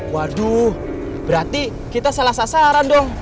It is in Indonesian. waduh berarti kita salah sasaran dong